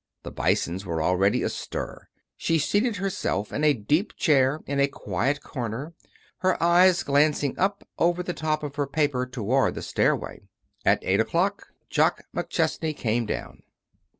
The Bisons were already astir. She seated herself in a deep chair in a quiet corner, her eyes glancing up over the top of her paper toward the stairway. At eight o'clock Jock McChesney came down.